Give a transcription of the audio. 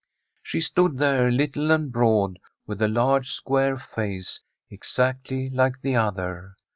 She stood there, little and broad, with a large, square face, exactly like the other.